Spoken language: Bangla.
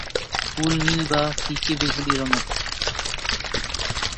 ফুল নীল বা ফিকে বেগুনি রঙের।